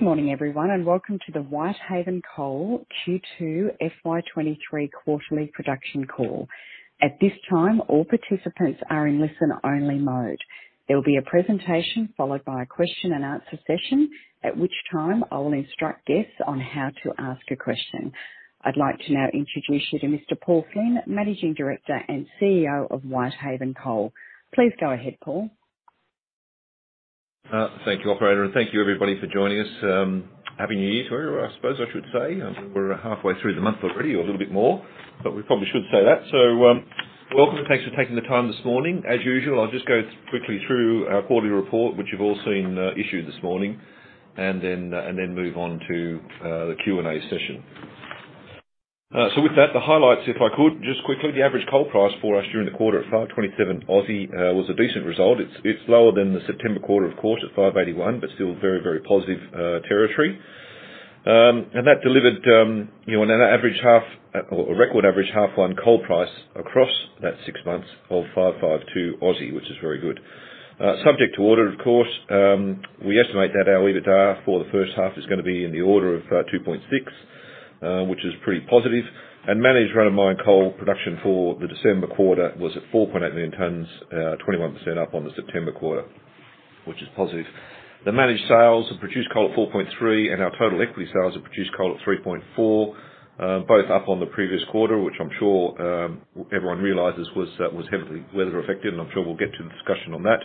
Good morning, everyone, and welcome to the Whitehaven Coal Q2 FY 23 quarterly production call. At this time, all participants are in listen-only mode. There will be a presentation followed by a question-and-answer session, at which time I will instruct guests on how to ask a question. I'd like to now introduce you to Mr. Paul Flynn, Managing Director and CEO of Whitehaven Coal. Please go ahead, Paul. Thank you, Operator, and thank you, everybody, for joining us. Happy New Year to everyone. I suppose I should say that. We're halfway through the month already, or a little bit more, but we probably should say that. So welcome, and thanks for taking the time this morning. As usual, I'll just go quickly through our quarterly report, which you've all seen issued this morning, and then move on to the Q&A session. So with that, the highlights, if I could, just quickly. The average coal price for us during the quarter at 527 was a decent result. It's lower than the September quarter, of course, at 581, but still very, very positive territory. And that delivered an average half, or a record average H1 coal price across that six months of 552, which is very good. Subject to audit, of course, we estimate that our EBITDA for the first half is going to be in the order of 2.6 billion, which is pretty positive, and managed run-of-mine coal production for the December quarter was at 4.8 million tons, 21% up on the September quarter, which is positive. The managed sales of produced coal at 4.3, and our total equity sales of produced coal at 3.4, both up on the previous quarter, which I'm sure everyone realizes was heavily weather-affected, and I'm sure we'll get to the discussion on that.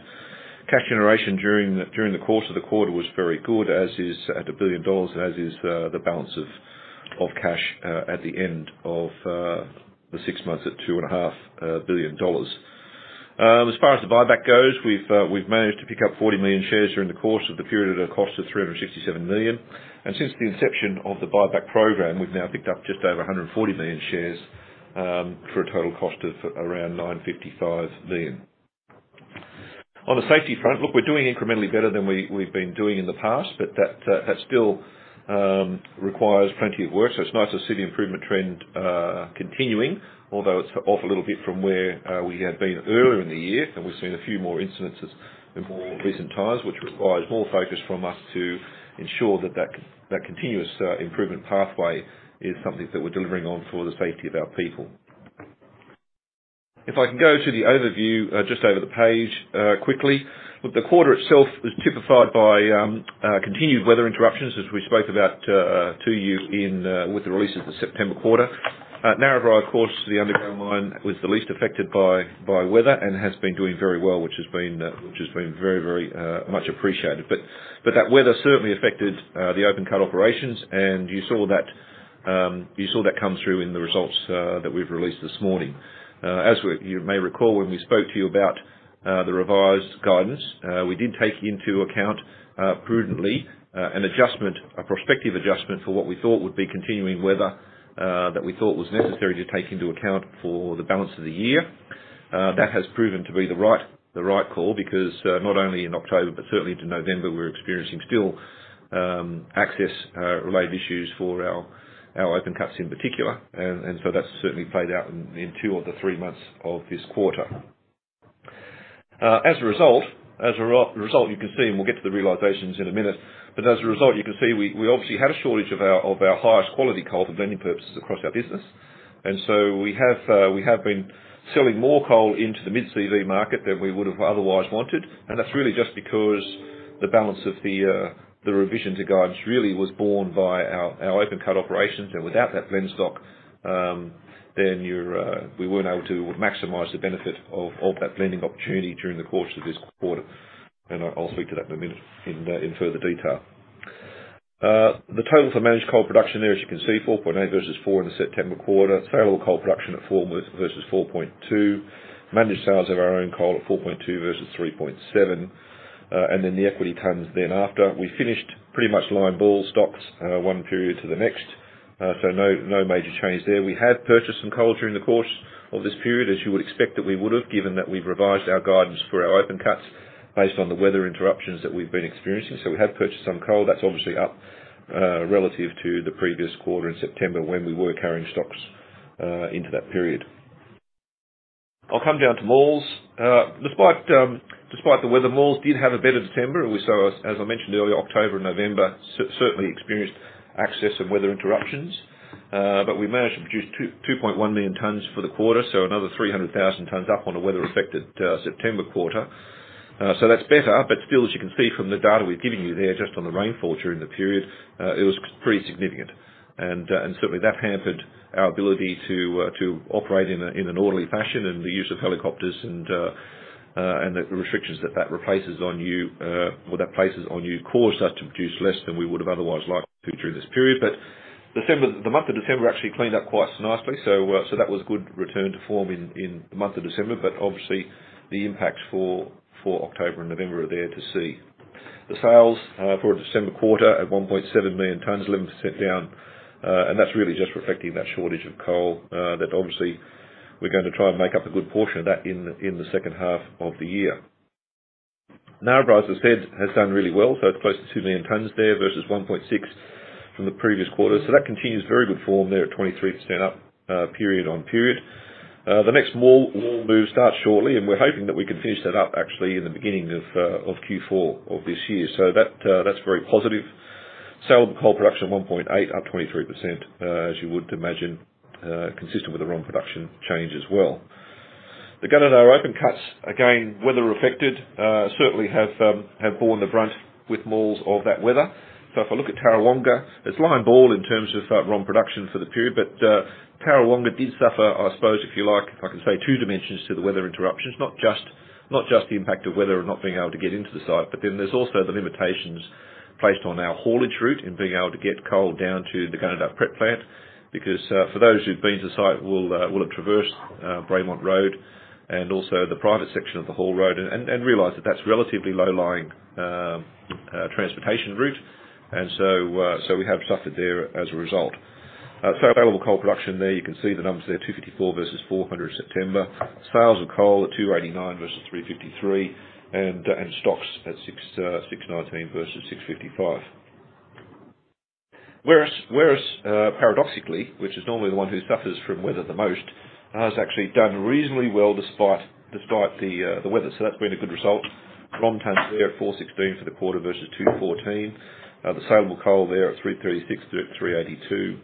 Cash generation during the course of the quarter was very good, as is the 1 billion dollars, as is the balance of cash at the end of the six months at 2.5 billion dollars. As far as the buyback goes, we've managed to pick up 40 million shares during the course of the period at a cost of 367 million. And since the inception of the buyback program, we've now picked up just over 140 million shares for a total cost of around 955 million. On the safety front, look, we're doing incrementally better than we've been doing in the past, but that still requires plenty of work. So it's nice to see the improvement trend continuing, although it's off a little bit from where we had been earlier in the year, and we've seen a few more incidents in more recent times, which requires more focus from us to ensure that that continuous improvement pathway is something that we're delivering on for the safety of our people. If I can go to the overview just over the page quickly, look, the quarter itself is typified by continued weather interruptions, as we spoke about to you with the releases of the September quarter. Narrabri, of course, the underground mine was the least affected by weather and has been doing very well, which has been very, very much appreciated. But that weather certainly affected the open-cut operations, and you saw that come through in the results that we've released this morning. As you may recall, when we spoke to you about the revised guidance, we did take into account prudently an adjustment, a prospective adjustment for what we thought would be continuing weather that we thought was necessary to take into account for the balance of the year. That has proven to be the right call because not only in October, but certainly into November, we're experiencing still access-related issues for our open-cuts in particular, and so that's certainly played out in two of the three months of this quarter. As a result, as a result, you can see, and we'll get to the realizations in a minute, but as a result, you can see we obviously had a shortage of our highest quality coal for blending purposes across our business. And so we have been selling more coal into the mid-CV market than we would have otherwise wanted, and that's really just because the balance of the revision to guidance really was borne by our open-cut operations. And without that blend stock, then we weren't able to maximize the benefit of that blending opportunity during the course of this quarter. And I'll speak to that in a minute in further detail. The total for managed coal production there, as you can see, 4.8 versus 4 in the September quarter, saleable coal production at 4 versus 4.2, managed sales of our own coal at 4.2 versus 3.7, and then the equity tons thereafter. We finished pretty much line ball stocks one period to the next, so no major change there. We had purchased some coal during the course of this period, as you would expect that we would have, given that we've revised our guidance for our open-cuts based on the weather interruptions that we've been experiencing. So we had purchased some coal. That's obviously up relative to the previous quarter in September when we were carrying stocks into that period. I'll come down to Maules. Despite the weather, Maules Creek did have a better December, and we saw, as I mentioned earlier, October and November certainly experienced access and weather interruptions, but we managed to produce 2.1 million tons for the quarter, so another 300,000 tons up on a weather-affected September quarter. So that's better, but still, as you can see from the data we've given you there just on the rainfall during the period, it was pretty significant. And certainly, that hampered our ability to operate in an orderly fashion, and the use of helicopters and the restrictions that that places on you, or that places on you, caused us to produce less than we would have otherwise liked to during this period. But the month of December actually cleaned up quite nicely, so that was a good return to form in the month of December, but obviously, the impacts for October and November are there to see. The sales for the December quarter at 1.7 million tons, 11% down, and that's really just reflecting that shortage of coal that obviously we're going to try and make up a good portion of that in the second half of the year. Narrabri, as I said, has done really well, so it's close to 2 million tons there versus 1.6 from the previous quarter. So that continues very good form there at 23% up period on period. The next longwall move starts shortly, and we're hoping that we can finish that up actually in the beginning of Q4 of this year. So that's very positive. Saleable coal production 1.8, up 23%, as you would imagine, consistent with the ROM production change as well. The Gunnedah and our open-cuts, again, weather-affected, certainly have borne the brunt with Maules of that weather. So if I look at Tarrawonga, it's line ball in terms of ROM production for the period, but Tarrawonga did suffer, I suppose, if you like, if I can say, two dimensions to the weather interruptions, not just the impact of weather and not being able to get into the site, but then there's also the limitations placed on our haulage route in being able to get coal down to the Gunnedah Prep Plant because for those who've been to the site will have traversed Blue Vale Road and also the private section of the haul road and realize that that's relatively low-lying transportation route, and so we have suffered there as a result. Saleable coal production there, you can see the numbers there, 254 versus 400 September, sales of coal at 289 versus 353, and stocks at 619 versus 655. Werris paradoxically, which is normally the one who suffers from weather the most, has actually done reasonably well despite the weather, so that's been a good result. ROM tons there at 416 for the quarter versus 214. The saleable coal there at 336-382.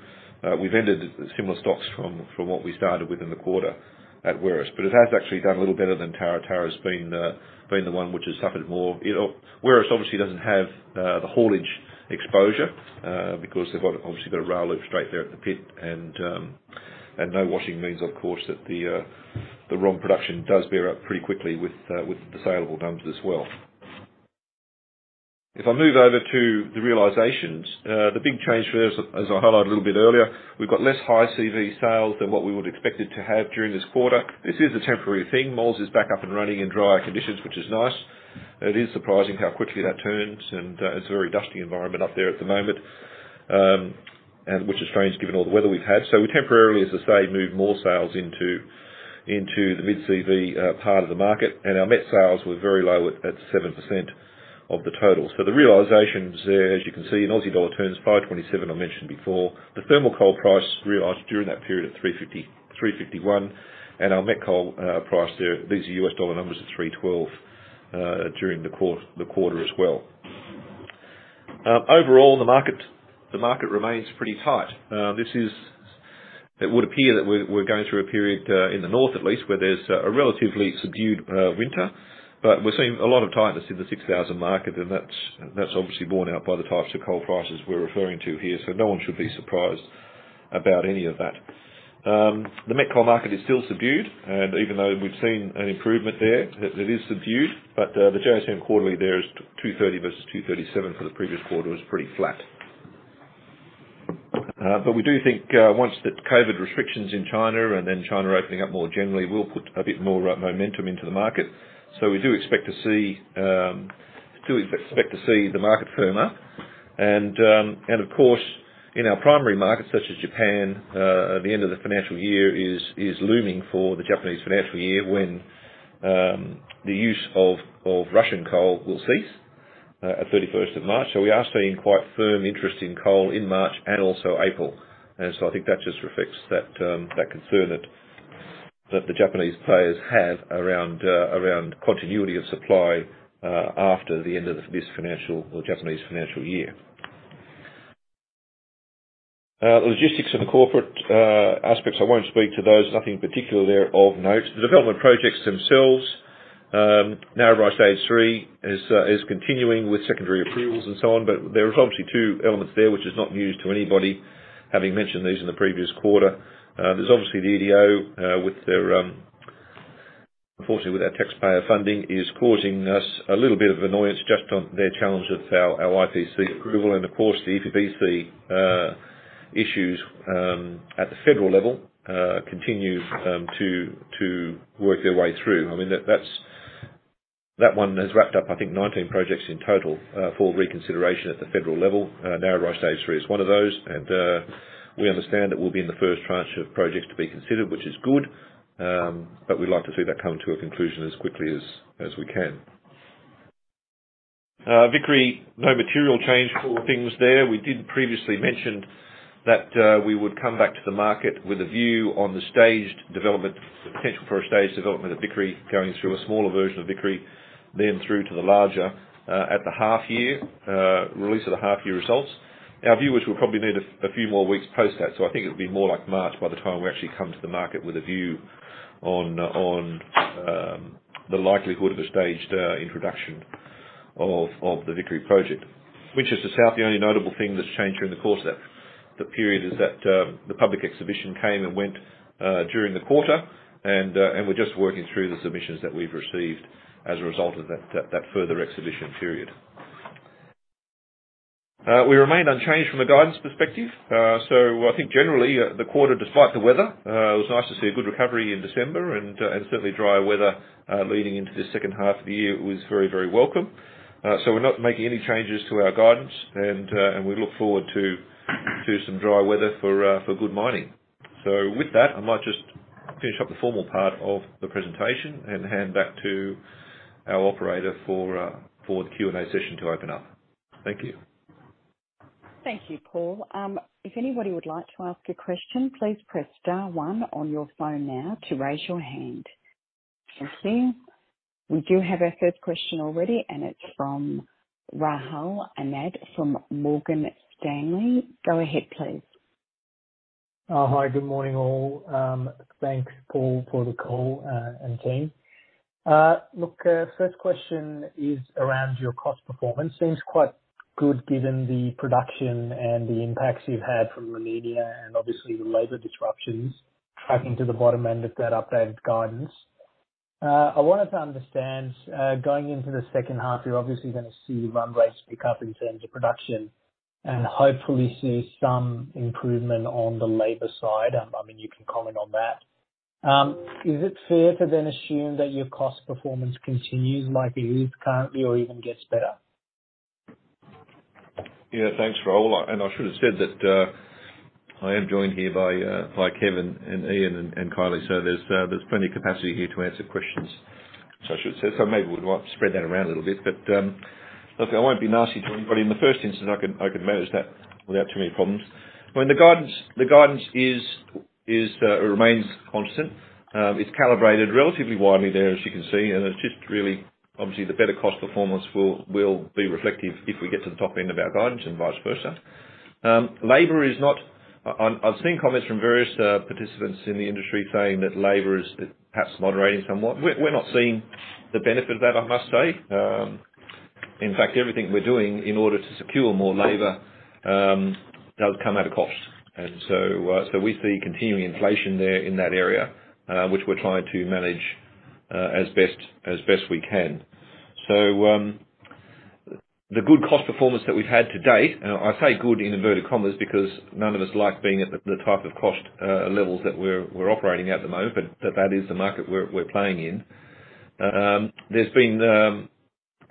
We've ended similar stocks from what we started within the quarter at Werris, but it has actually done a little better than Tarra. Tarra has been the one which has suffered more. Werris obviously doesn't have the haulage exposure because they've obviously got a rail loop straight there at the pit, and no washing means, of course, that the ROM production does line up pretty quickly with the saleable numbers as well. If I move over to the realizations, the big change for there, as I highlighted a little bit earlier, we've got less high CV sales than what we would have expected to have during this quarter. This is a temporary thing. Maules Creek is back up and running in drier conditions, which is nice. It is surprising how quickly that turns, and it's a very dusty environment up there at the moment, which is strange given all the weather we've had. So we temporarily, as I say, moved more sales into the mid-CV part of the market, and our met sales were very low at 7% of the total. So the realizations there, as you can see, an 527 Aussie dollar I mentioned before. The thermal coal price realized during that period at $351, and our met coal price there, these are US dollar numbers at $312 during the quarter as well. Overall, the market remains pretty tight. It would appear that we're going through a period in the north at least where there's a relatively subdued winter, but we're seeing a lot of tightness in the 6,000 market, and that's obviously borne out by the types of coal prices we're referring to here, so no one should be surprised about any of that. The met coal market is still subdued, and even though we've seen an improvement there, it is subdued, but the JSM quarterly there is 230 versus 237 for the previous quarter was pretty flat. But we do think once the COVID restrictions in China and then China opening up more generally will put a bit more momentum into the market, so we do expect to see the market firm up. And of course, in our primary markets such as Japan, the end of the financial year is looming for the Japanese financial year when the use of Russian coal will cease at 31st of March. So we are seeing quite firm interest in coal in March and also April, and so I think that just reflects that concern that the Japanese players have around continuity of supply after the end of this financial or Japanese financial year. The logistics and the corporate aspects, I won't speak to those. Nothing particular there of note. The development projects themselves, Narrabri Stage Three is continuing with secondary approvals and so on, but there are obviously two elements there which is not news to anybody, having mentioned these in the previous quarter. There's obviously the EDO with their, unfortunately, with their taxpayer funding is causing us a little bit of annoyance just on their challenge of our IPC approval, and of course, the EPBC issues at the federal level continue to work their way through. I mean, that one has wrapped up, I think, 19 projects in total for reconsideration at the federal level. Narrabri Stage Three is one of those, and we understand that we'll be in the first tranche of projects to be considered, which is good, but we'd like to see that come to a conclusion as quickly as we can. Vickery, no material change for things there. We did previously mention that we would come back to the market with a view on the staged development, the potential for a staged development at Vickery going through a smaller version of Vickery, then through to the larger at the half-year release of the half-year results. Our viewers will probably need a few more weeks post that, so I think it'll be more like March by the time we actually come to the market with a view on the likelihood of a staged introduction of the Vickery project. Winchester South, the only notable thing that's changed during the course of that period is that the public exhibition came and went during the quarter, and we're just working through the submissions that we've received as a result of that further exhibition period. We remained unchanged from a guidance perspective, so I think generally the quarter, despite the weather, it was nice to see a good recovery in December, and certainly drier weather leading into this second half of the year was very, very welcome. So we're not making any changes to our guidance, and we look forward to some dry weather for good mining. So with that, I might just finish up the formal part of the presentation and hand back to our operator for the Q&A session to open up. Thank you. Thank you, Paul. If anybody would like to ask a question, please press star one on your phone now to raise your hand. Thank you. We do have a third question already, and it's from Rahul Anand from Morgan Stanley. Go ahead, please. Hi, good morning all. Thanks, Paul, for the call and team. Look, first question is around your cost performance. Seems quite good given the production and the impacts you've had from the media and obviously the Labour disruptions tracking to the bottom end of that updated guidance. I wanted to understand going into the second half, you're obviously going to see run rates pick up in terms of production and hopefully see some improvement on the Labour side. I mean, you can comment on that. Is it fair to then assume that your cost performance continues like it is currently or even gets better? Yeah, thanks, Rahul. And I should have said that I am joined here by Kevin and Ian and Kylie, so there's plenty of capacity here to answer questions, so I should have said. So maybe we might spread that around a little bit, but look, I won't be nasty to anybody. In the first instance, I can manage that without too many problems. I mean, the guidance remains constant. It's calibrated relatively widely there, as you can see, and it's just really, obviously, the better cost performance will be reflective if we get to the top end of our guidance and vice versa. Labour is not. I've seen comments from various participants in the industry saying that Labour is perhaps moderating somewhat. We're not seeing the benefit of that, I must say. In fact, everything we're doing in order to secure more Labour does come at a cost, and so we see continuing inflation there in that area, which we're trying to manage as best we can. So the good cost performance that we've had to date, and I say good in inverted commas because none of us like being at the type of cost levels that we're operating at the moment, but that is the market we're playing in.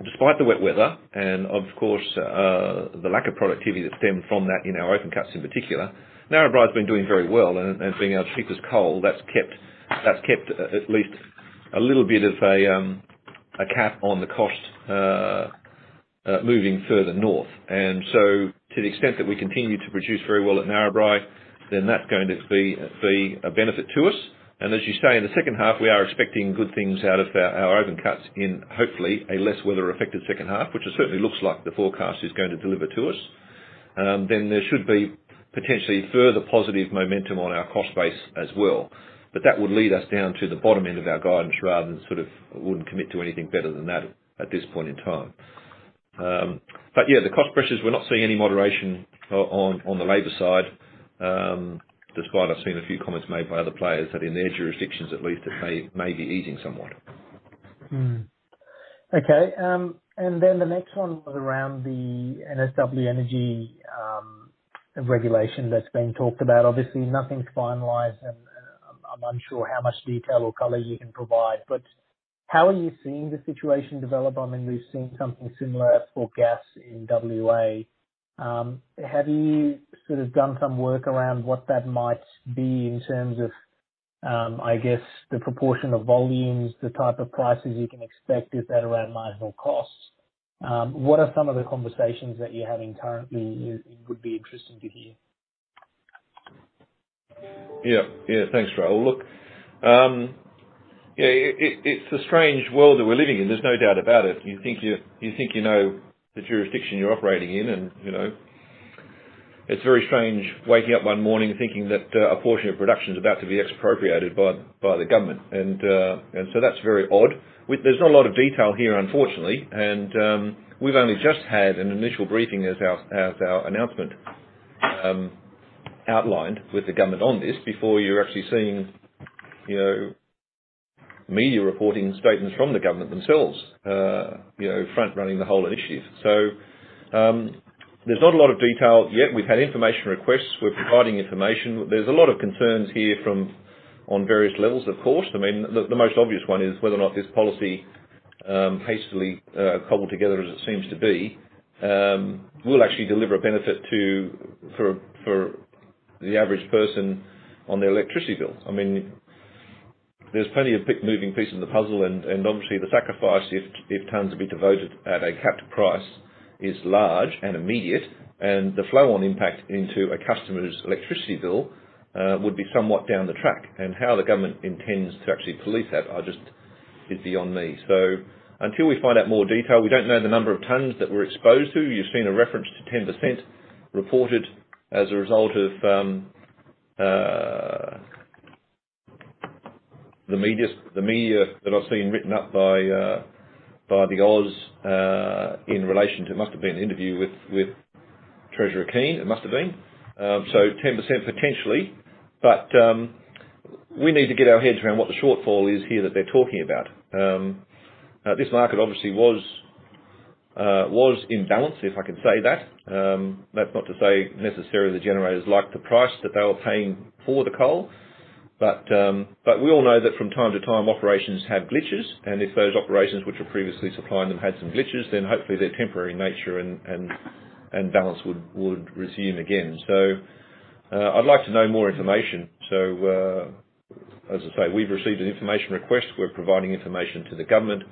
Despite the wet weather and, of course, the lack of productivity that stemmed from that in our open-cuts in particular, Narrabri has been doing very well, and being able to produce coal, that's kept at least a little bit of a cap on the cost moving further north. So to the extent that we continue to produce very well at Narrabri, then that's going to be a benefit to us. And as you say, in the second half, we are expecting good things out of our open-cuts in hopefully a less weather-affected second half, which certainly looks like the forecast is going to deliver to us. Then there should be potentially further positive momentum on our cost base as well, but that would lead us down to the bottom end of our guidance rather than sort of wouldn't commit to anything better than that at this point in time. But yeah, the cost pressures, we're not seeing any moderation on the Labour side, despite I've seen a few comments made by other players that in their jurisdictions at least it may be easing somewhat. Okay. And then the next one was around the NSW energy regulation that's been talked about. Obviously, nothing's finalized, and I'm unsure how much detail or color you can provide, but how are you seeing the situation develop? I mean, we've seen something similar for gas in WA. Have you sort of done some work around what that might be in terms of, I guess, the proportion of volumes, the type of prices you can expect? Is that around marginal costs? What are some of the conversations that you're having currently? It would be interesting to hear. Yeah. Yeah, thanks, Rahul. Look, yeah, it's a strange world that we're living in. There's no doubt about it. You think you know the jurisdiction you're operating in, and it's very strange waking up one morning thinking that a portion of production is about to be expropriated by the government, and so that's very odd. There's not a lot of detail here, unfortunately, and we've only just had an initial briefing as our announcement outlined with the government on this before you're actually seeing media reporting statements from the government themselves front-running the whole initiative. So there's not a lot of detail yet. We've had information requests. We're providing information. There's a lot of concerns here from on various levels, of course. I mean, the most obvious one is whether or not this policy hastily cobbled together as it seems to be will actually deliver a benefit for the average person on their electricity bill. I mean, there's plenty of moving pieces of the puzzle, and obviously, the sacrifice if tons are being devoted at a capped price is large and immediate, and the flow-on NPAT into a customer's electricity bill would be somewhat down the track. How the government intends to actually police that is beyond me. So until we find out more detail, we don't know the number of tons that we're exposed to. You've seen a reference to 10% reported as a result of the media that I've seen written up by the Oz in relation to it. It must have been an interview with Treasurer Kean. It must have been. So 10% potentially, but we need to get our heads around what the shortfall is here that they're talking about. This market obviously was in balance, if I can say that. That's not to say necessarily the generators liked the price that they were paying for the coal, but we all know that from time to time, operations have glitches, and if those operations which were previously supplying them had some glitches, then hopefully their temporary nature and balance would resume again. So I'd like to know more information. So as I say, we've received an information request. We're providing information to the government.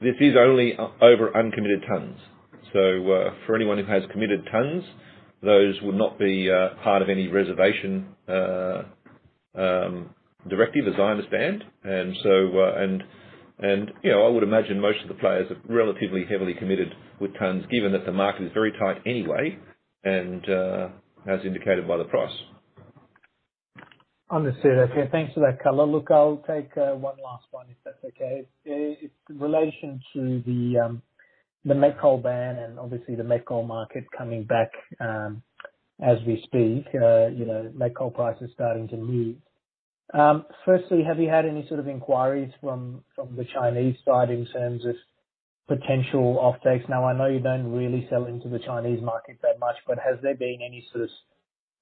This is only over uncommitted tons. So for anyone who has committed tons, those will not be part of any reservation directive, as I understand. I would imagine most of the players are relatively heavily committed with tons, given that the market is very tight anyway, and as indicated by the price. Understood. Okay. Thanks for that, color. Look, I'll take one last one if that's okay. It's in relation to the met coal ban and obviously the met coal market coming back as we speak. Met coal prices are starting to move. Firstly, have you had any sort of inquiries from the Chinese side in terms of potential offtakes? Now, I know you don't really sell into the Chinese market that much, but has there been any sort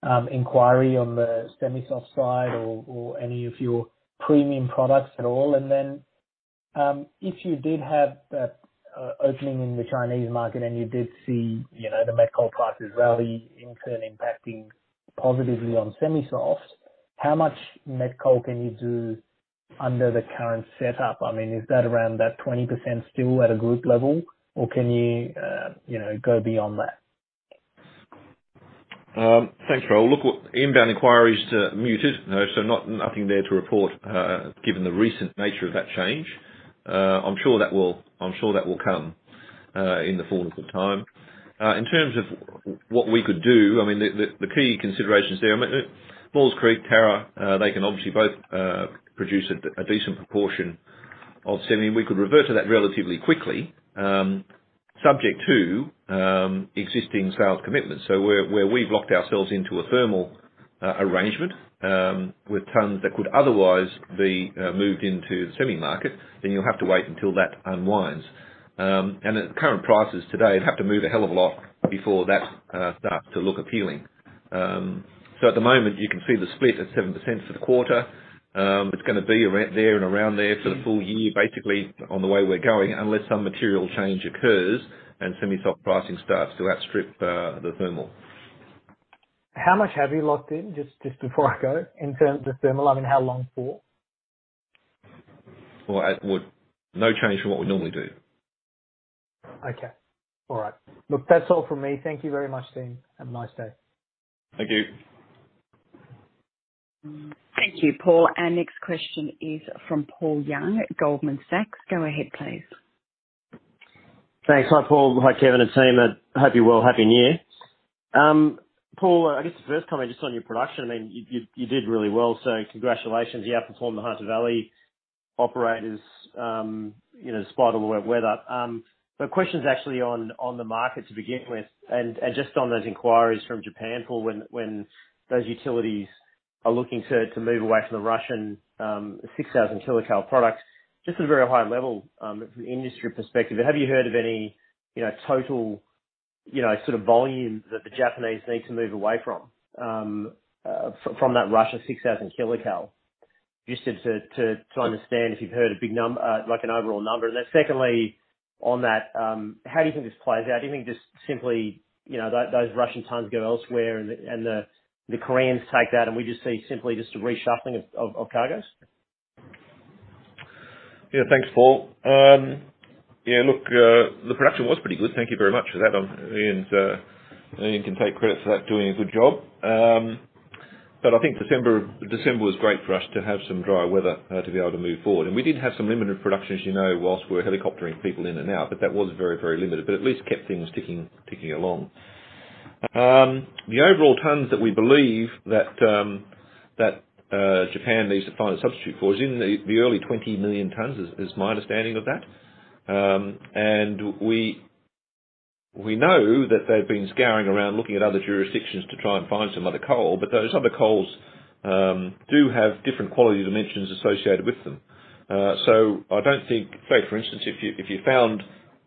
of inquiry on the semi-soft side or any of your premium products at all? And then if you did have that opening in the Chinese market and you did see the met coal prices rally in turn impacting positively on semi-soft, how much met coal can you do under the current setup? I mean, is that around that 20% still at a group level, or can you go beyond that? Thanks, Rahul. Look, inbound inquiries are muted, so nothing there to report given the recent nature of that change. I'm sure that will come in the fullness of time. In terms of what we could do, I mean, the key considerations there, I mean, Maules Creek, Tarrawonga, they can obviously both produce a decent proportion of semi. We could revert to that relatively quickly, subject to existing sales commitments. So where we've locked ourselves into a thermal arrangement with tons that could otherwise be moved into the semi market, then you'll have to wait until that unwinds. And at current prices today, you'd have to move a hell of a lot before that starts to look appealing. So at the moment, you can see the split at 7% for the quarter. It's going to be around there for the full year, basically, on the way we're going, unless some material change occurs and semi-soft pricing starts to outstrip the thermal. How much have you locked in, just before I go, in terms of thermal? I mean, how long for? No change from what we normally do. Okay. All right. Look, that's all from me. Thank you very much, team. Have a nice day. Thank you. Thank you, Paul. Our next question is from Paul Young at Goldman Sachs. Go ahead, please. Thanks. Hi, Paul. Hi, Kevin and team. I hope you're well. Happy New Year. Paul, I guess the first comment is just on your production. I mean, you did really well, so congratulations. You outperformed the Hunter Valley operators despite all the wet weather but questions actually on the market to begin with, and just on those inquiries from Japan, Paul, when those utilities are looking to move away from the Russian 6,000 kcal product, just at a very high level from industry perspective, have you heard of any total sort of volume that the Japanese need to move away from that Russian 6,000 kcal? Just to understand if you've heard a big number, like an overall number and then secondly, on that, how do you think this plays out? Do you think just simply those Russian tons go elsewhere and the Koreans take that, and we just see simply just a reshuffling of cargoes? Yeah, thanks, Paul. Yeah, look, the production was pretty good. Thank you very much for that. Ian can take credit for that, doing a good job. I think December was great for us to have some dry weather to be able to move forward. We did have some limited production, as you know, while we're helicoptering people in and out, but that was very, very limited, but at least kept things ticking along. The overall tons that we believe that Japan needs to find a substitute for is in the early 20 million tons, is my understanding of that. We know that they've been scouring around looking at other jurisdictions to try and find some other coal, but those other coals do have different quality dimensions associated with them. So I don't think, say, for instance, if you found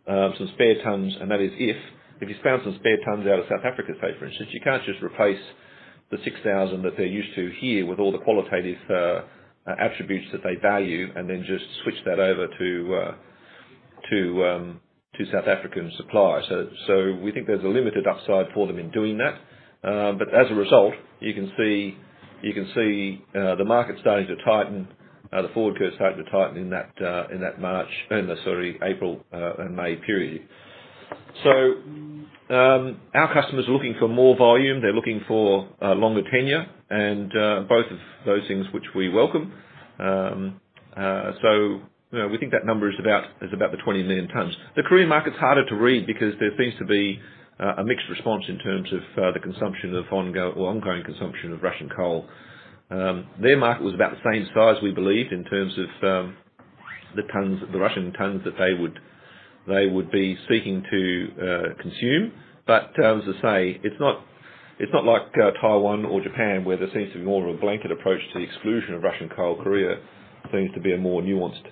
some spare tons, and that is if you found some spare tons out of South Africa, say, for instance, you can't just replace the 6,000 that they're used to here with all the qualitative attributes that they value and then just switch that over to South African supply. So we think there's a limited upside for them in doing that. But as a result, you can see the market starting to tighten, the forward curve starting to tighten in that March and, sorry, April and May period. So our customers are looking for more volume. They're looking for longer tenure, and both of those things, which we welcome. So we think that number is about the 20 million tons. The Korean market's harder to read because there seems to be a mixed response in terms of the ongoing consumption of Russian coal. Their market was about the same size, we believe, in terms of the Russian tons that they would be seeking to consume. But as I say, it's not like Taiwan or Japan, where there seems to be more of a blanket approach to the exclusion of Russian coal. Korea seems to be a more nuanced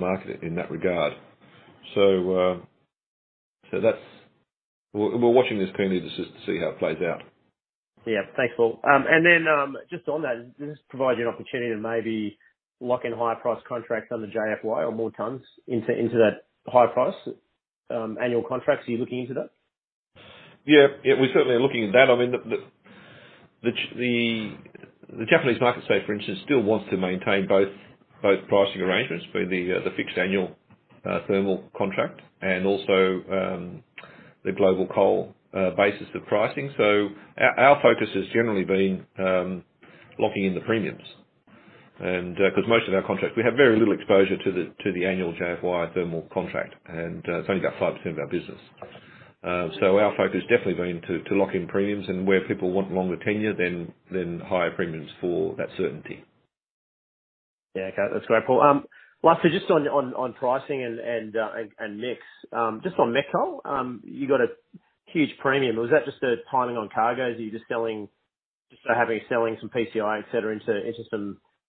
market in that regard. So we're watching this closely just to see how it plays out. Yeah. Thanks, Paul. And then just on that, does this provide you an opportunity to maybe lock in higher price contracts under JFY or more tons into that higher price annual contract? Are you looking into that? Yeah. Yeah, we're certainly looking at that. I mean, the Japanese market, say, for instance, still wants to maintain both pricing arrangements, be it the fixed annual thermal contract and also the globalCOAL basis of pricing. So our focus has generally been locking in the premiums because most of our contracts we have very little exposure to the annual JFY thermal contract, and it's only about 5% of our business. So our focus has definitely been to lock in premiums, and where people want longer tenure, then higher premiums for that certainty. Yeah. Okay. That's great, Paul. Lastly, just on pricing and mix, just on met coal, you got a huge premium. Was that just the timing on cargoes? Are you just having some PCI, etc.,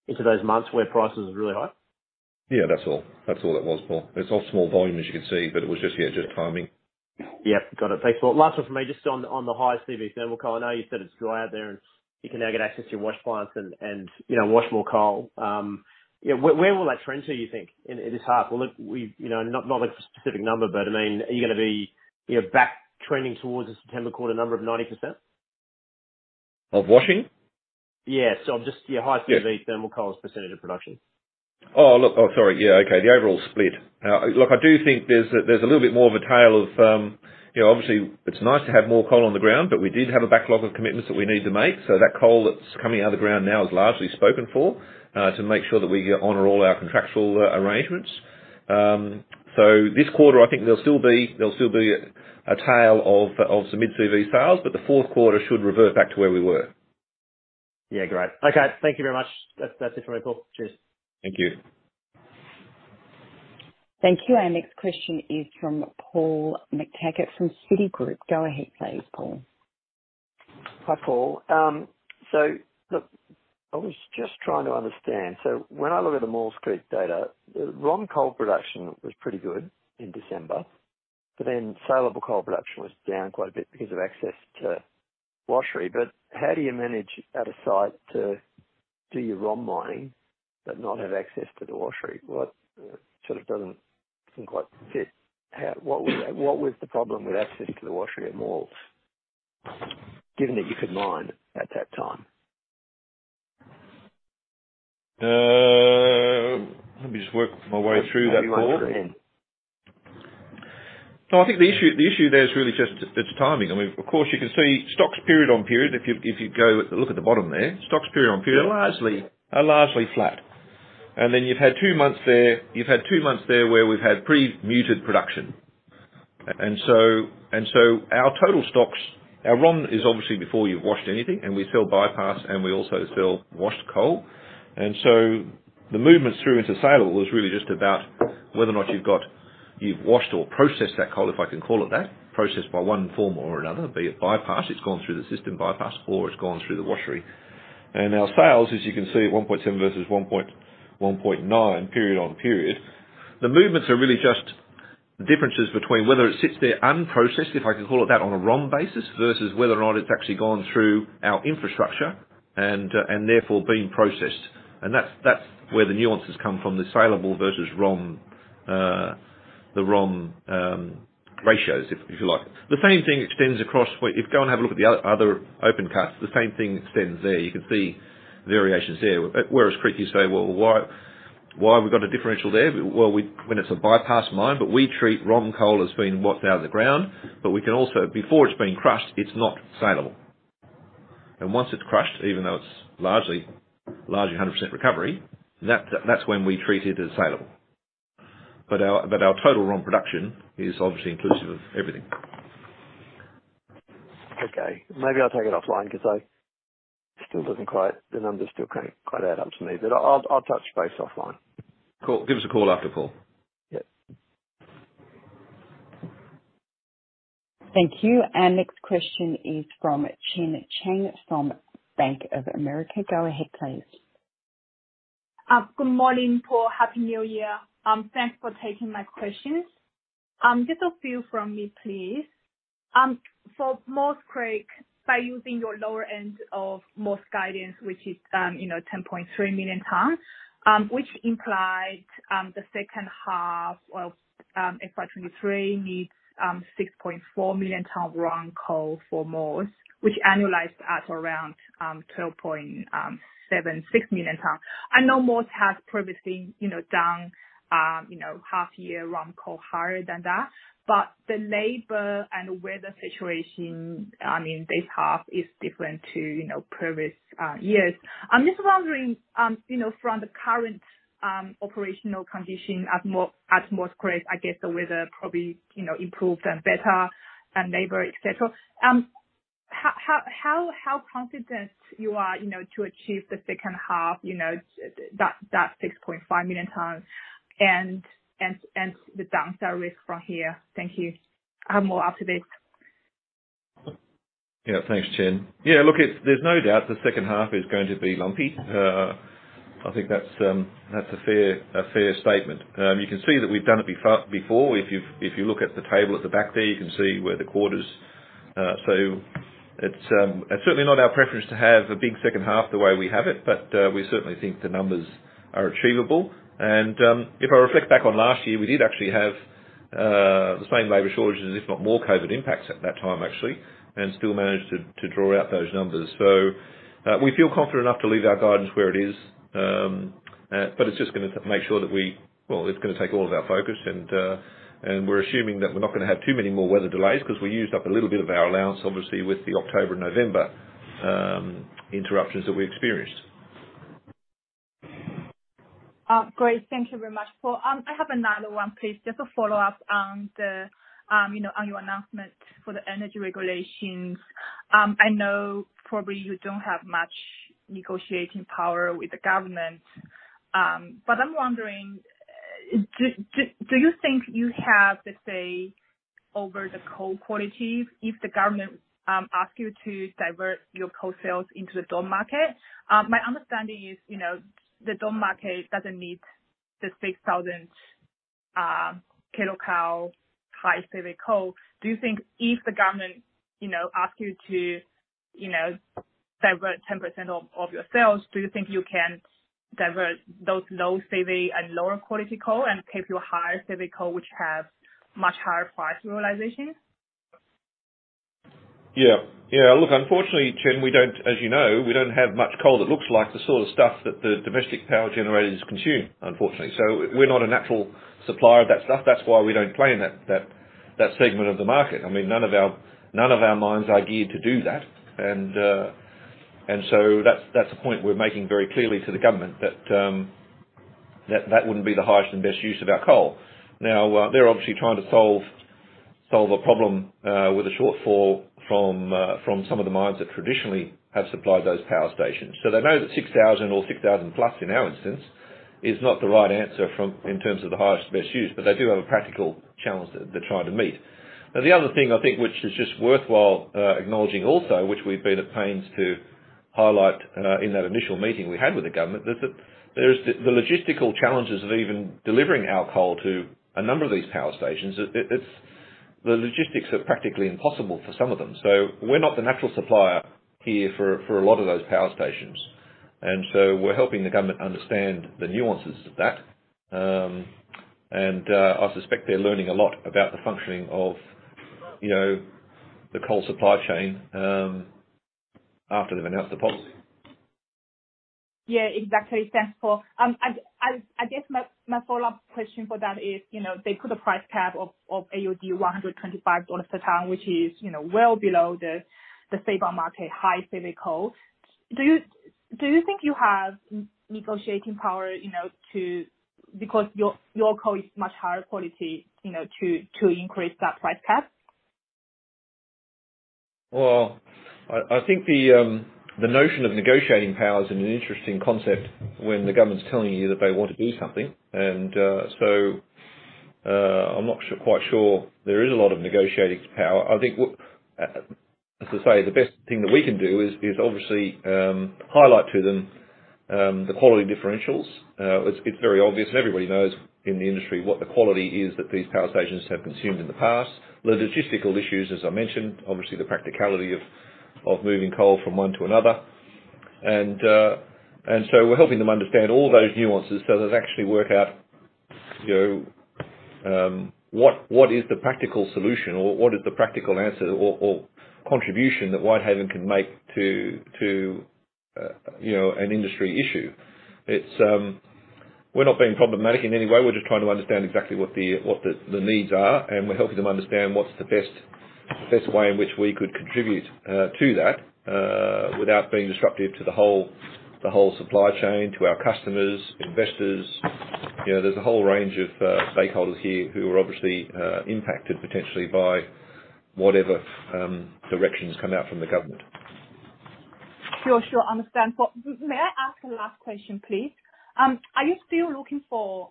into those months where prices are really high? Yeah, that's all. That's all it was, Paul. It's all small volume, as you can see, but it was just, yeah, just timing. Yep. Got it. Thanks, Paul. Last one from me, just on the high CV thermal coal. I know you said it's dry out there, and you can now get access to your wash plants and wash more coal. Where will that trend to, do you think, in this half? Not a specific number, but I mean, are you going to be back trending towards a September quarter number of 90%? Of washing? Yeah. So just your high CV thermal coal's percentage of production? The overall split. Look, I do think there's a little bit more of a tail, obviously. It's nice to have more coal on the ground, but we did have a backlog of commitments that we need to make. So that coal that's coming out of the ground now is largely spoken for to make sure that we honor all our contractual arrangements so this quarter, I think there'll still be a tail of submitted CV sales, but the fourth quarter should revert back to where we were. Yeah. Great. Okay. Thank you very much. That's it from me, Paul. Cheers. Thank you. Thank you. Our next question is from Paul McTaggart from Citigroup. Go ahead, please, Paul. Hi, Paul. So look, I was just trying to understand. So when I look at the Maules Creek data, the ROM coal production was pretty good in December, but then saleable coal production was down quite a bit because of access to washeries. But how do you manage at a site to do your ROM mining but not have access to the washeries? That sort of doesn't quite fit. What was the problem with access to the washeries at Maules, given that you could mine at that time? Let me just work my way through that, Paul. No, I think the issue there is really just its timing. I mean, of course, you can see stocks period on period. If you look at the bottom there, stocks period on period are largely flat. And then you've had two months there, you've had two months there where we've had pretty muted production. And so our total stocks, our ROM is obviously before you've washed anything, and we sell bypass, and we also sell washed coal. And so the movement through into saleable is really just about whether or not you've washed or processed that coal, if I can call it that, processed by one form or another, be it bypass. It's gone through the system bypass, or it's gone through the washery. Our sales, as you can see, at 1.7 versus 1.9 period on period, the movements are really just differences between whether it sits there unprocessed, if I can call it that, on a ROM basis, versus whether or not it's actually gone through our infrastructure and therefore been processed. That's where the nuances come from, the saleable versus the ROM ratios, if you like. The same thing extends across if you go and have a look at the other open cuts. The same thing extends there. You can see variations there. Werris Creek used to say, "Well, why have we got a differential there?" When it's a bypass mine, but we treat ROM coal as being what's out of the ground, but we can also, before it's been crushed, it's not saleable. Once it's crushed, even though it's largely 100% recovery, that's when we treat it as saleable. Our total ROM production is obviously inclusive of everything. Okay. Maybe I'll take it offline because the numbers still don't quite add up to me. But I'll touch base offline. Cool. Give us a call after, Paul. Yep. Thank you. Our next question is from Chen Jiang from Bank of America. Go ahead, please. Good morning, Paul. Happy New Year. Thanks for taking my questions. Just a few from me, please. For Maules Creek, by using your lower end of Maules guidance, which is 10.3 million tons, which implied the second half of FY 23 needs 6.4 million tons ROM coal for Maules, which annualized at around 12.76 million tons. I know Maules has previously done half-year ROM coal higher than that, but the Labour and weather situation, I mean, this half is different to previous years. I'm just wondering, from the current operational condition at Maules Creek, I guess the weather probably improved and better, and Labour, etc., how confident you are to achieve the second half, that 6.5 million tons and the downside risk from here? Thank you. I'm more up to date. Yeah. Thanks, Chen. Yeah. Look, there's no doubt the second half is going to be lumpy. I think that's a fair statement. You can see that we've done it before. If you look at the table at the back there, you can see where the quarters, so it's certainly not our preference to have a big second half the way we have it, but we certainly think the numbers are achievable. And if I reflect back on last year, we did actually have the same Labour shortages, if not more COVID impacts at that time, actually, and still managed to draw out those numbers. So we feel confident enough to leave our guidance where it is, but it's just going to make sure that we, well, it's going to take all of our focus, and we're assuming that we're not going to have too many more weather delays because we used up a little bit of our allowance, obviously, with the October and November interruptions that we experienced. Great. Thank you very much, Paul. I have another one, please, just to follow up on your announcement for the energy regulations. I know probably you don't have much negotiating power with the government, but I'm wondering, do you think you have, let's say, over the coal quality, if the government asks you to divert your coal sales into the domestic market? My understanding is the domestic market doesn't need the 6,000 kcal high CV coal. Do you think if the government asks you to divert 10% of your sales, do you think you can divert those low CV and lower quality coal and keep your higher CV coal, which have much higher price realization? Yeah. Yeah. Look, unfortunately, Chen, as you know, we don't have much coal that looks like the sort of stuff that the domestic power generators consume, unfortunately. So we're not a natural supplier of that stuff. That's why we don't play in that segment of the market. I mean, none of our mines are geared to do that. And so that's a point we're making very clearly to the government that that wouldn't be the highest and best use of our coal. Now, they're obviously trying to solve a problem with a shortfall from some of the mines that traditionally have supplied those power stations. So they know that 6,000 or 6,000 plus, in our instance, is not the right answer in terms of the highest best use, but they do have a practical challenge that they're trying to meet. Now, the other thing I think which is just worthwhile acknowledging also, which we've been at pains to highlight in that initial meeting we had with the government, is that there's the logistical challenges of even delivering our coal to a number of these power stations. The logistics are practically impossible for some of them. So we're not the natural supplier here for a lot of those power stations. And so we're helping the government understand the nuances of that. And I suspect they're learning a lot about the functioning of the coal supply chain after they've announced the policy. Yeah. Exactly. Thanks, Paul. I guess my follow-up question for that is they put a price cap of AUD 125 per ton, which is well below the saleable market high CV coal. Do you think you have negotiating power because your coal is much higher quality to increase that price cap? Well, I think the notion of negotiating power is an interesting concept when the government's telling you that they want to do something, and so I'm not quite sure there is a lot of negotiating power. I think, as I say, the best thing that we can do is obviously highlight to them the quality differentials. It's very obvious, and everybody knows in the industry what the quality is that these power stations have consumed in the past, the logistical issues, as I mentioned, obviously the practicality of moving coal from one to another, and so we're helping them understand all those nuances so they actually work out what is the practical solution or what is the practical answer or contribution that Whitehaven can make to an industry issue. We're not being problematic in any way. We're just trying to understand exactly what the needs are, and we're helping them understand what's the best way in which we could contribute to that without being disruptive to the whole supply chain, to our customers, investors. There's a whole range of stakeholders here who are obviously impacted potentially by whatever directions come out from the government. Sure. Sure. I understand. Paul, may I ask a last question, please? Are you still looking for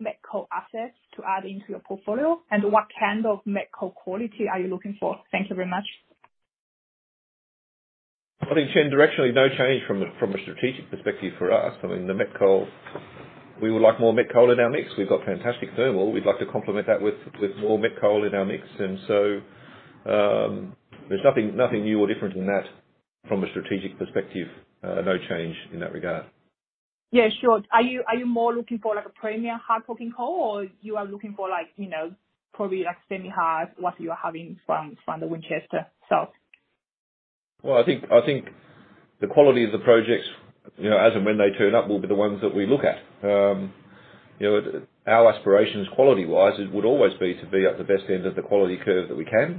met coal assets to add into your portfolio, and what kind of met coal quality are you looking for? Thank you very much. I think, Chen, directionally, no change from a strategic perspective for us. I mean, we would like more met coal in our mix. We've got fantastic thermal. We'd like to complement that with more met coal in our mix. And so there's nothing new or different in that from a strategic perspective. No change in that regard. Yeah. Sure. Are you more looking for a premium hard coking coal, or you are looking for probably semi-soft what you are having from the Winchester South? I think the quality of the projects, as and when they turn up, will be the ones that we look at. Our aspirations, quality-wise, would always be to be at the best end of the quality curve that we can.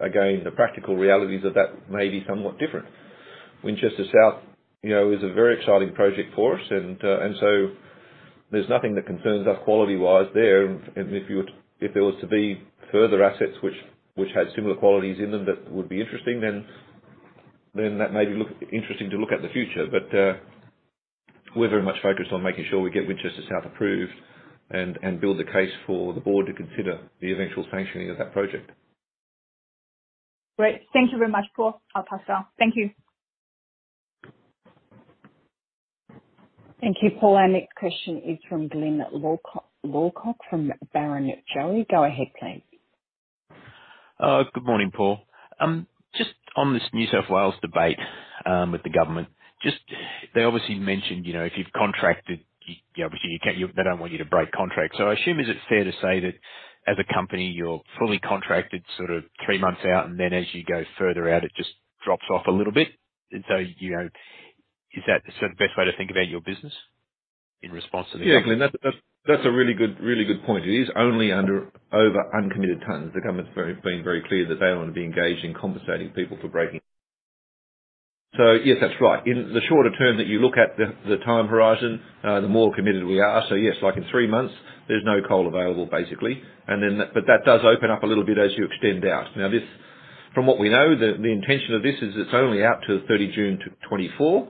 Again, the practical realities of that may be somewhat different. Winchester South is a very exciting project for us, and so there's nothing that concerns us quality-wise there. If there were to be further assets which had similar qualities in them that would be interesting, then that may be interesting to look at in the future. We're very much focused on making sure we get Winchester South approved and build the case for the board to consider the eventual sanctioning of that project. Great. Thank you very much, Paul. I'll pass it off. Thank you. Thank you, Paul. Our next question is from Glyn Lawcock from Barrenjoey. Go ahead, please. Good morning, Paul. Just on this New South Wales debate with the government, they obviously mentioned if you've contracted, obviously, they don't want you to break contracts. So I assume, is it fair to say that as a company, you're fully contracted sort of three months out, and then as you go further out, it just drops off a little bit? And so is that sort of the best way to think about your business in response to the? Yeah. Glyn, that's a really good point. It is only under over uncommitted tons. The government's been very clear that they don't want to be engaged in compensating people for breaking. So yes, that's right. In the shorter term that you look at the time horizon, the more committed we are. So yes, in three months, there's no coal available, basically. But that does open up a little bit as you extend out. Now, from what we know, the intention of this is it's only out to 30 June 2024,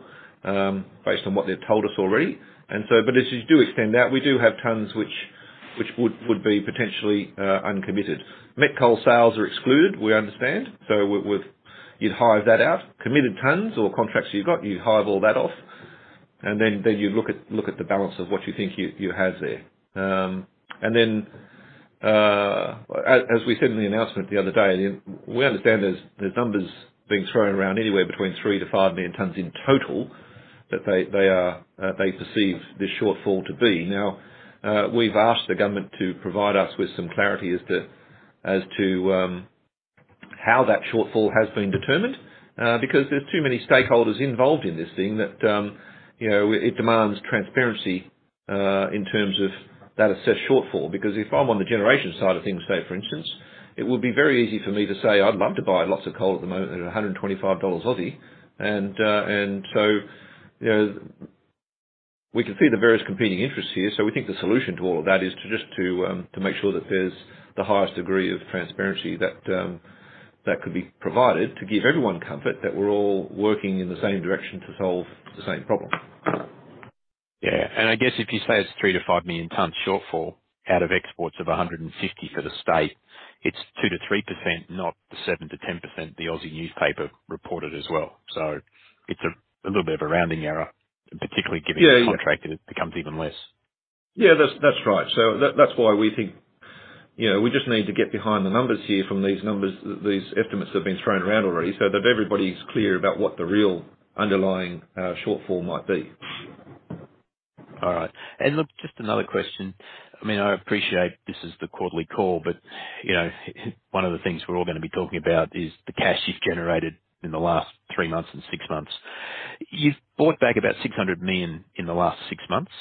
based on what they've told us already. But as you do extend out, we do have tons which would be potentially uncommitted. Met coal sales are excluded, we understand. So you'd hive that out. Committed tons or contracts you've got, you'd hive all that off, and then you'd look at the balance of what you think you have there. And then, as we said in the announcement the other day, we understand there's numbers being thrown around anywhere between three to five million tons in total that they perceive this shortfall to be. Now, we've asked the government to provide us with some clarity as to how that shortfall has been determined because there's too many stakeholders involved in this thing that it demands transparency in terms of that assessed shortfall. Because if I'm on the generation side of things, say, for instance, it would be very easy for me to say, "I'd love to buy lots of coal at the moment at $125 a ton." And so we can see the various competing interests here. So we think the solution to all of that is just to make sure that there's the highest degree of transparency that could be provided to give everyone comfort that we're all working in the same direction to solve the same problem. Yeah. And I guess if you say it's three to five million tons shortfall out of exports of 150 for the state, it's 2-3%, not the 7-10% the Aussie newspaper reported as well. So it's a little bit of a rounding error, particularly given the context that it becomes even less. Yeah. That's right. So that's why we think we just need to get behind the numbers here from these estimates that have been thrown around already so that everybody's clear about what the real underlying shortfall might be. All right. And look, just another question. I mean, I appreciate this is the quarterly call, but one of the things we're all going to be talking about is the cash you've generated in the last three months and six months. You've bought back about 600 million in the last six months,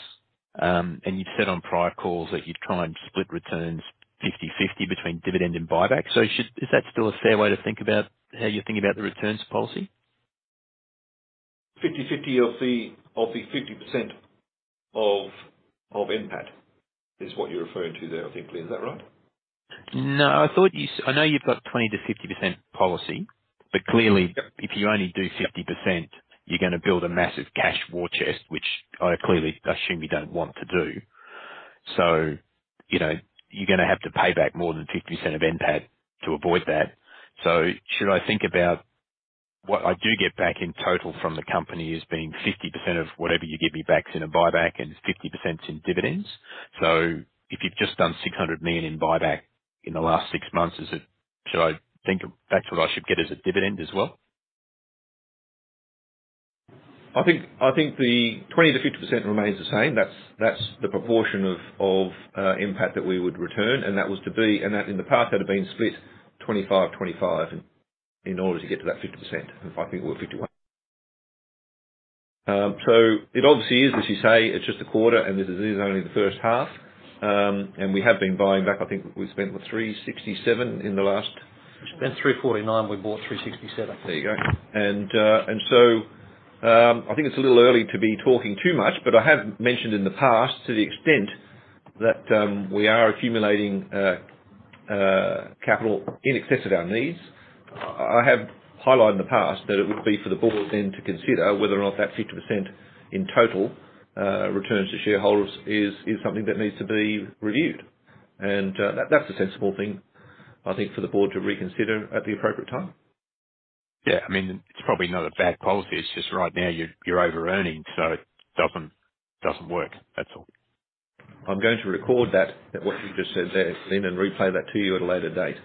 and you've said on prior calls that you'd try and split returns 50/50 between dividend and buyback. So is that still a fair way to think about how you're thinking about the returns policy? 50/50 of the 50% of NPAT is what you're referring to there, I think, Glynn. Is that right? No. I know you've got 20%-50% policy, but clearly, if you only do 50%, you're going to build a massive cash war chest, which I assume you don't want to do. So you're going to have to pay back more than 50% of NPAT to avoid that. So should I think about what I do get back in total from the company as being 50% of whatever you give me back in a buyback and 50% in dividends? So if you've just done 600 million in buyback in the last six months, should I think that's what I should get as a dividend as well? I think the 20%-50% remains the same. That's the proportion of NPAT that we would return, and that was to be and that in the past had been split 25%/25% in order to get to that 50%. I think we're 51%. So it obviously is, as you say, it's just a quarter, and this is only the first half. We have been buying back. I think we spent what, 367 in the last? We spent 349. We bought 367. There you go. And so I think it's a little early to be talking too much, but I have mentioned in the past to the extent that we are accumulating capital in excess of our needs. I have highlighted in the past that it would be for the board then to consider whether or not that 50% in total returns to shareholders is something that needs to be reviewed. And that's a sensible thing, I think, for the board to reconsider at the appropriate time. Yeah. I mean, it's probably not a bad policy. It's just right now you're over-earning, so it doesn't work. That's all. I'm going to record that, what you just said there, Glyn, and replay that to you at a later date.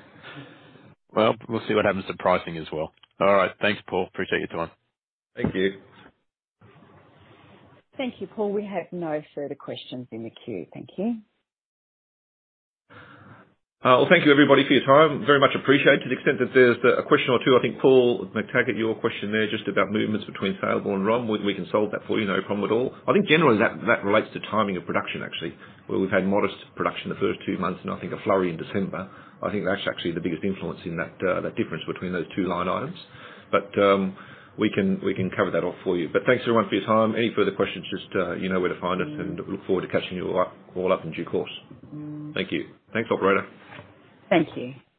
We'll see what happens to pricing as well. All right. Thanks, Paul. Appreciate your time. Thank you. Thank you, Paul. We have no further questions in the queue. Thank you. Well, thank you, everybody, for your time. Very much appreciated. To the extent that there's a question or two, I think, Paul, I've tagged your question there just about movements between saleable and ROM. We can solve that for you, no problem at all. I think generally that relates to timing of production, actually, where we've had modest production the first two months and, I think, a flurry in December. I think that's actually the biggest influence in that difference between those two line items. But we can cover that off for you. But thanks, everyone, for your time. Any further questions, just, you know, where to find us, and we look forward to catching you all up in due course. Thank you. Thanks, operator. Thank you.